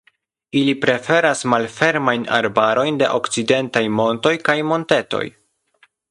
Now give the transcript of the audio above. Ili preferas malfermajn arbarojn de okcidentaj montoj kaj montetoj.